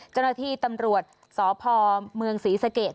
เจ้าหน้าที่ตำรวจสพเมืองศรีสเกต